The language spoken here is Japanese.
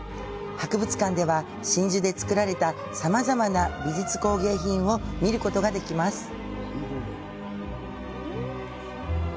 博物館では、真珠で作られたさまざまな美術工芸品を見ることができます。